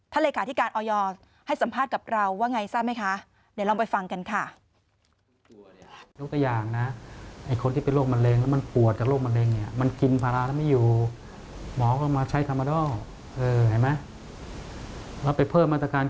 ถ้าเลขาธิการออยให้สัมภาษณ์กับเราว่าไงทราบไหมคะ